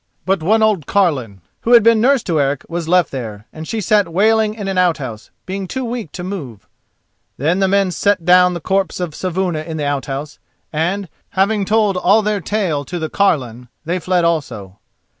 But one old carline, who had been nurse to Eric, was left there, and she sat wailing in an outhouse, being too weak to move. Then the men set down the corpse of Saevuna in the outhouse, and, having told all their tale to the carline, they fled also.